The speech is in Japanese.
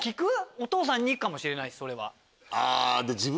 お父さんにかもしれないそれは。